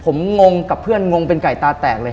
ผมงงกับเพื่อนงงเป็นไก่ตาแตกเลย